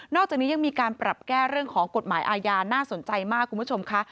อกจากนี้ยังมีการปรับแก้เรื่องของกฎหมายอาญาน่าสนใจมากคุณผู้ชมค่ะ